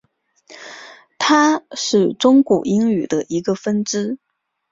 它是中古英语的一个分支。